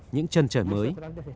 những chân trở mới